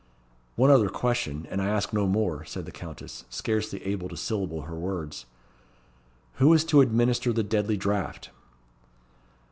"One other question, and I ask no more," said the Countess, scarcely able to syllable her words. "Who is to administer the deadly draught?"